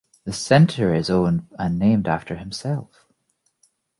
The Center is owned and named after himself.